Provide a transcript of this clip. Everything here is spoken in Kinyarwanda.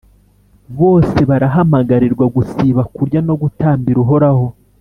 Bose barahamagarirwa gusiba kurya no gutakambiraUhoraho